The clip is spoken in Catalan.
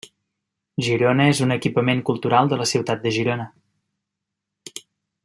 Girona és un equipament cultural de la ciutat de Girona.